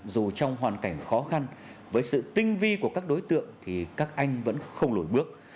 dù trong hoàn cảnh khó khăn với sự tinh vi của các đối tượng thì các anh vẫn không lùi bước